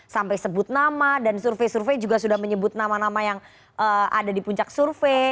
sampai sebut nama dan survei survei juga sudah menyebut nama nama yang ada di puncak survei